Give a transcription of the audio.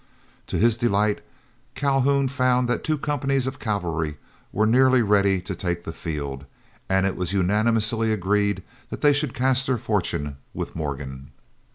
To his delight, Calhoun found that two companies of cavalry were nearly ready to take the field, and it was unanimously agreed that they should cast their fortune with Morgan.